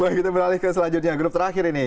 kita beralih ke selanjutnya grup terakhir ini